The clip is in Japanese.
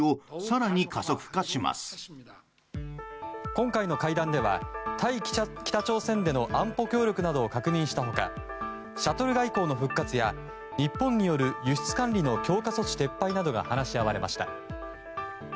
今回の会談では対北朝鮮での安保協力などを確認した他シャトル外交の復活や日本による輸出管理の強化措置撤廃などが話し合われました。